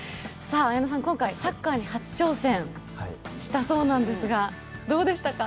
綾野さん、今回サッカーに初挑戦したそうですが、どうでしたか？